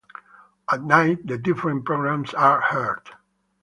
At night, the different programs are heard.